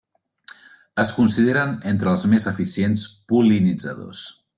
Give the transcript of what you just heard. Es consideren entre els més eficients pol·linitzadors.